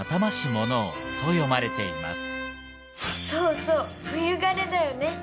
そうそう「冬枯れ」だよね。